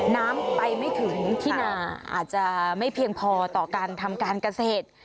น้ำไปไม่ถึงที่นาอาจจะไม่เพียงพอต่อการทำการเกษตร